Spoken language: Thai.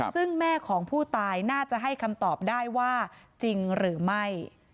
ซึ่งแม่ของผู้ตายน่าจะให้คำตอบได้ว่าจริงหรือไม่